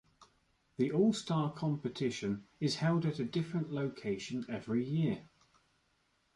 The All-Star Competition is held at a different location every year.